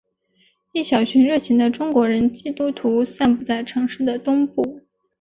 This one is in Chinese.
一小群热情的中国人基督徒散布在城市的东部。